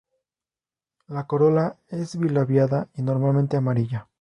La corola es bilabiada y normalmente amarilla.